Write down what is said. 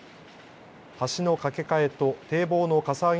橋の架け替えと堤防のかさ上げ